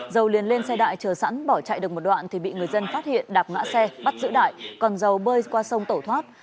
dầu liền lên xe đại chờ sẵn bỏ chạy được một đoạn thì bị người dân phát hiện đạp ngã xe bắt giữ đại còn dầu bơi qua sông tổ thoát